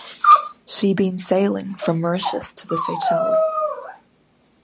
She been sailing from Mauritius to the Seychelles.